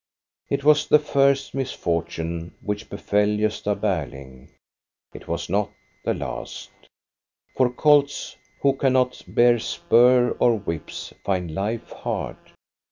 It was the first misfortune which befell Gosta Ber ling ; it was not the last. \ INTRODUCTION II For colts who cannot bear spur or whips find life hard.